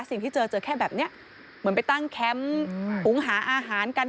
เจอเจอแค่แบบนี้เหมือนไปตั้งแคมป์หุงหาอาหารกัน